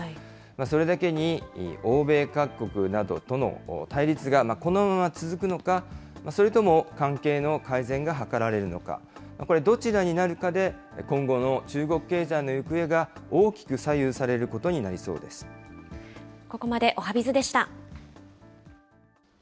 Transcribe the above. それだけに、欧米各国などとの対立がこのまま続くのか、それとも関係の改善が図られるのか、これ、どちらになるかで今後の中国経済の行方が大きく左右されることにここまで、おはＢｉｚでした。